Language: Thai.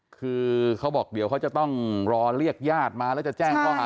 คือเขาบอกเดี๋ยวเขาจะต้องรอเรียกญาติมาแล้วจะแจ้งข้อหา